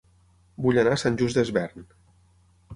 Vull anar a Sant Just Desvern